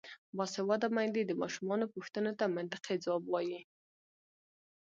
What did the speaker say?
باسواده میندې د ماشومانو پوښتنو ته منطقي ځواب وايي.